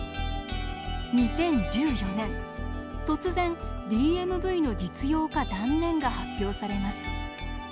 ２０１４年突然ＤＭＶの実用化断念が発表されます。